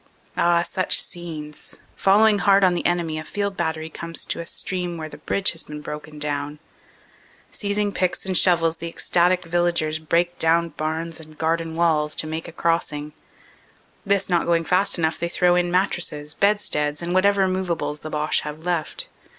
Ah! such scenes! Following hard on the enemy a field battery comes to a stream where the bridge has been broken down. Seizing picks and shovels the ecstatic villagers break down barns and garden walls to make a crossing. This not THE ADVANCE ON DENAIN 339 going fast enough they throw in mattresses, bedsteads and whatever moveables the Boche have left.